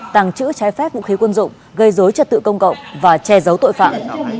tàng trữ trái phép vũ khí quân dụng gây dối trật tự công cộng và che giấu tội phạm